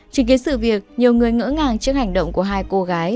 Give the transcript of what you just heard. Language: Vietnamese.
trên kia sự việc nhiều người ngỡ ngàng trước hành động của hai cô gái